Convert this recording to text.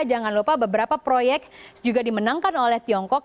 jangan lupa beberapa proyek juga dimenangkan oleh tiongkok